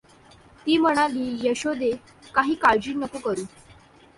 ती म्हणाली, "यशोदे, काही काळजी नको करू.